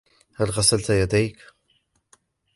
هل غسلت يديك ؟